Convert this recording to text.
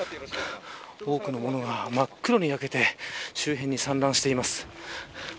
多くのものが真っ黒に焼けて周辺に散乱しています。